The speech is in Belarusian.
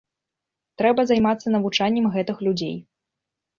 Трэба займацца навучаннем гэтых людзей.